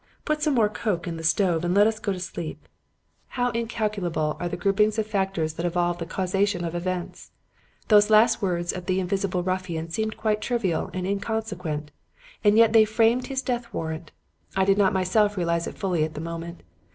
Put some more coke in the stove and let us go to sleep.' "How incalculable are the groupings of factors that evolve the causation of events! Those last words of the invisible ruffian seemed quite trivial and inconsequent; and yet they framed his death warrant. I did not myself realize it fully at the moment.